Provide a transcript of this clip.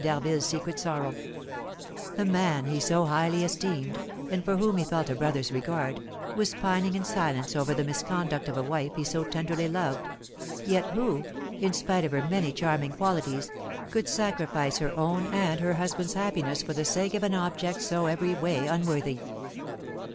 d'Harville's secret sorrow; the man he so highly esteemed, and for whom he felt a brother's regard, was pining in silence over the misconduct of a wife he so tenderly loved, yet who, in spite of her many charming qualities, could sacrifice her own and her husband's happiness for the sake of an object so every way unworthy.